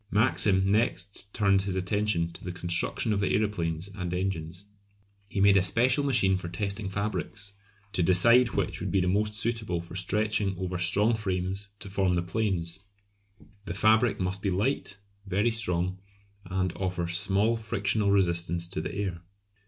Maxim next turned his attention to the construction of the aeroplanes and engines. He made a special machine for testing fabrics, to decide which would be most suitable for stretching over strong frames to form the planes. The fabric must be light, very strong, and offer small frictional resistance to the air.